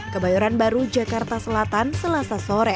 kebayoran baru jakarta selatan selasa sore